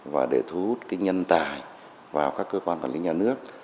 và để thu hút nhân tài vào các cơ quan quản lý nhà nước